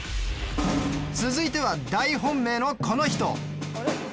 続いては大本命のこの人。